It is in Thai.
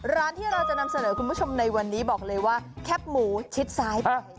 ร้านที่เราจะนำเสนอคุณผู้ชมในวันนี้บอกเลยว่าแคบหมูชิดซ้ายไป